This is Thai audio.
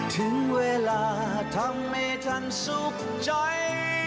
ถึงเวลาทำให้ท่านสุขใจ